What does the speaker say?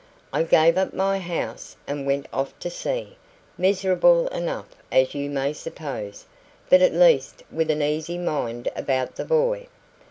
I gave up my house, and went off to sea, miserable enough, as you may suppose, but at least with an easy mind about the boy.